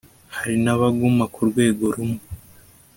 hari n'abaguma ku rwego rumwe